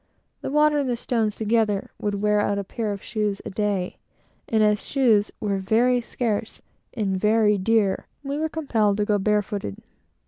The water and the stones together would wear out a pair of shoes a day, and as shoes were very scarce and very dear, we were compelled to go barefooted.